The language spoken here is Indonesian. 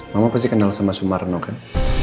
mama pasti kenal sama sumarno kan